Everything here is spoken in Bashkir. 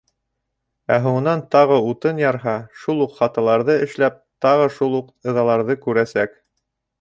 Ә һуңынан тағы утын ярһа, шул уҡ хаталарҙы эшләп, тағы шул уҡ ыҙаларҙы күрәсәк.